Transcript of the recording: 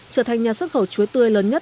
trở thành nhà xuất khẩu chuối tươi lớn nhất